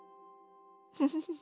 フフフフ。